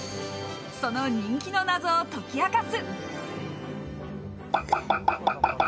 その人気のナゾを解き明かす。